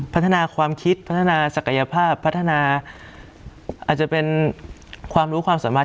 พัฒนาความคิดพัฒนาศักยภาพพัฒนาอาจจะเป็นความรู้ความสามารถ